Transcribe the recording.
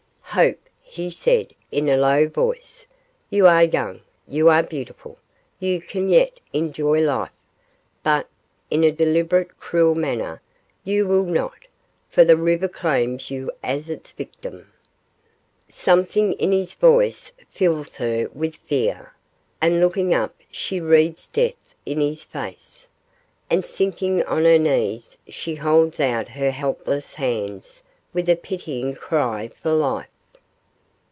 'Hope,' he said, in a low voice; 'you are young; you are beautiful; you can yet enjoy life; but,' in a deliberate cruel manner, 'you will not, for the river claims you as its victim.' Something in his voice fills her with fear, and looking up she reads death in his face, and sinking on her knees she holds out her helpless hands with a pitying cry for life.